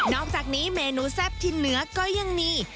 อกจากนี้เมนูแซ่บที่เหนือก็ยังมี